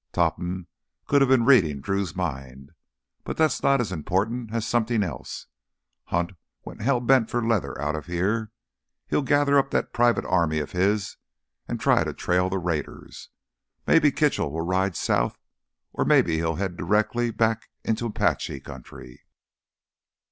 Topham could have been reading Drew's mind. "But that's not as important as something else. Hunt went hell bent for leather out of here. He'll gather up that private army of his and try to trail the raiders. Maybe Kitchell will ride south, or maybe he'll head directly back into Apache country.